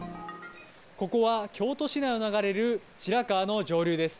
ここは京都市内を流れる、白川の上流です。